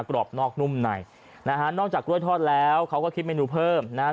กรอบนอกนุ่มในนะฮะนอกจากกล้วยทอดแล้วเขาก็คิดเมนูเพิ่มนะฮะ